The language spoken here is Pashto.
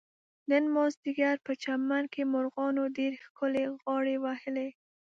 نن مازدیګر په چمن کې مرغانو ډېر ښکلې غاړې وهلې.